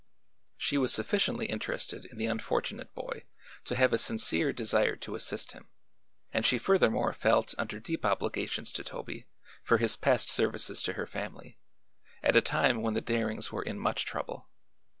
She was sufficiently interested in the unfortunate boy to have a sincere desire to assist him, and she furthermore felt under deep obligations to Toby for his past services to her family, at a time when the Darings were in much trouble.